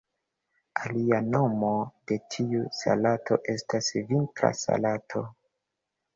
Alia nomo de tiu salato estas "Vintra salato".